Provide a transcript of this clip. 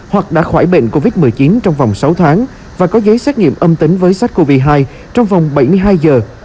hoặc đã khỏi bệnh covid một mươi chín trong vòng sáu tháng và có giấy xét nghiệm âm tính với sars cov hai trong vòng bảy mươi hai giờ